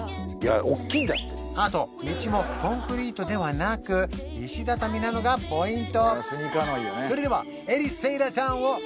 あと道もコンクリートではなく石畳なのがポイント